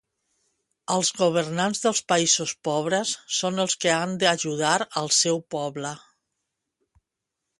Els governants dels països pobres són els que han de ajudar al seu poble